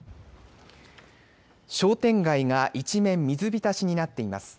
商店街が一面、水浸しになっています。